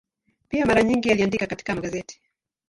Pia mara nyingi aliandika katika magazeti.